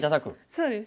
そうです。